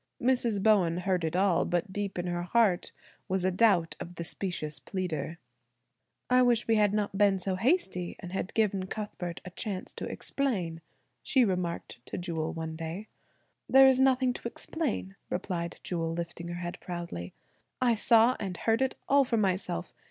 Mrs. Bowen heard it all but deep in her heart was a doubt of the specious pleader. "I wish we had not been so hasty, and had given Cuthbert a chance to explain," she remarked to Jewel one day. "There is nothing to explain," replied Jewel lifting her head proudly. "I saw and heard it all for myself.